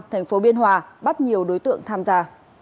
thành phố biên hòa bắt nhiều đối tượng tham gia